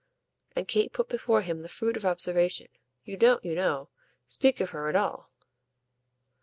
And Kate put before him the fruit of observation. "You don't, you know, speak of her at all."